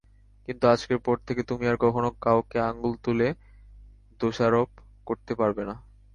কিন্তু আজকের পর থেকে তুমি আর কখনও কাউকে আঙুল তুলে দোষারোপ করতে পারবে না।